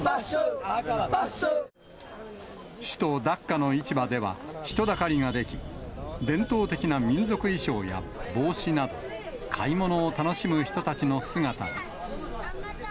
首都ダッカの市場では、人だかりが出来、伝統的な民族衣装や帽子など、買い物を楽しむ人たちの姿が。